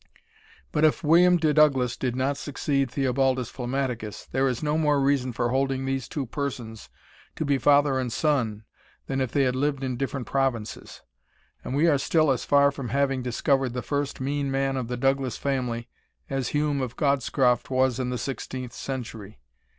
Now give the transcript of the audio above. But if William de Douglas did not succeed Theobaldus Flammaticus, there is no more reason for holding these two persons to be father and son than if they had lived in different provinces; and we are still as far from having discovered the first mean man of the Douglas family as Hume of Godscroft was in the 16th century.